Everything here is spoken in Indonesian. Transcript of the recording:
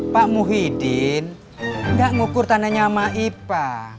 pak muhyiddin nggak ngukur tandanya sama ipa